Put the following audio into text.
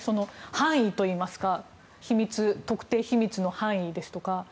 範囲といいますか特定秘密の範囲ですとか。